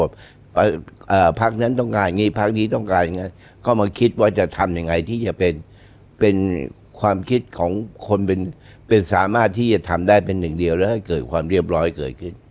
พักนั้นต้องการอย่างนี้พักนี้ต้องการยังไงก็มาคิดว่าจะทำยังไงที่จะเป็นความคิดของคนเป็นสามารถที่จะทำได้เป็นหนึ่งเดียวแล้วให้เกิดความเรียบร้อยเกิดขึ้น